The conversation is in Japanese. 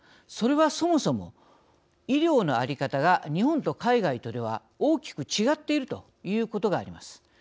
それは、そもそも医療の在り方が日本と海外とでは大きく違っているということがあります。